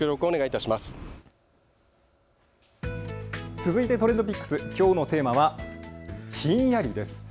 続いてＴｒｅｎｄＰｉｃｋｓ、きょうのテーマはひんやりです。